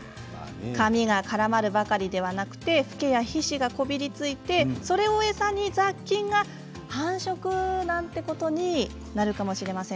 髪が絡まるばかりではなくてフケや皮脂がこびりついてそれを餌に雑菌が繁殖なんてことになるかもしれません。